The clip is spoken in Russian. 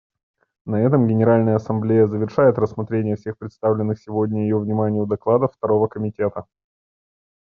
На этом Генеральная Ассамблея завершает рассмотрение всех представленных сегодня ее вниманию докладов Второго комитета.